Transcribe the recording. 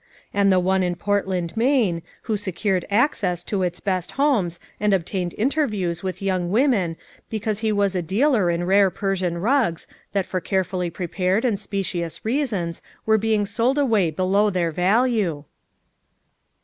And the one in Portland, Maine, who secured access to its best homes and obtained interviews with young women because he was a dealer in rare Persian rugs that for carefully prepared and specious reasons were being sold away below their value?"